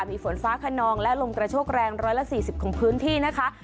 มีฝนฟ้าคนองและลมกระโชคแรงร้อยละสี่สิบของพื้นที่นะคะ